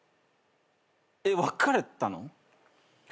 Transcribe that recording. えっ別れたの？